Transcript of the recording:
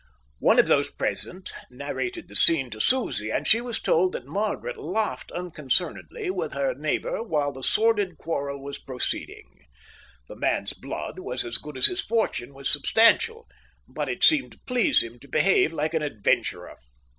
One of those present narrated the scene to Susie, and she was told that Margaret laughed unconcernedly with her neighbour while the sordid quarrel was proceeding. The man's blood was as good as his fortune was substantial, but it seemed to please him to behave like an adventurer.